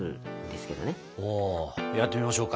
やってみましょうか。